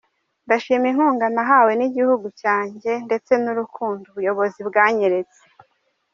Ndashima inkunga nahawe n’Igihugu cyanjye ndetse n’urukundo ubuyobozi bwanyeretse.